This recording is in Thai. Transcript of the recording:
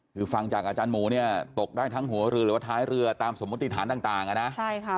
คือฟังจากอาจารย์หมูเนี่ยตกได้ทั้งหัวเรือหรือว่าท้ายเรือตามสมมติฐานต่างอ่ะนะใช่ค่ะ